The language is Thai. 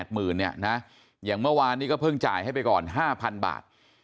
๘หมื่นเนี่ยนะอย่างเมื่อวานนี้ก็เพิ่งจ่ายให้ไปก่อน๕๐๐๐บาท